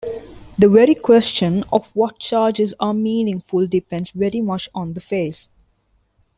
The very question of what charges are meaningful depends very much on the phase.